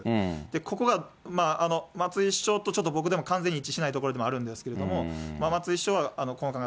ここが松井市長とちょっと僕でも完全に一致しないところでもあるんですけれども、松井市長は、こういう考え方。